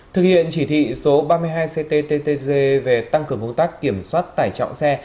thực hiện chỉ thị số ba mươi hai cttg về tăng cường công tác kiểm soát tải trọng xe